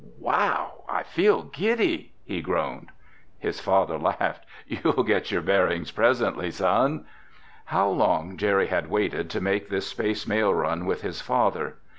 "Wow, I feel giddy!" he groaned. His father laughed. "You'll get your bearings presently, Son." How long Jerry had waited to make this space mail run with his father!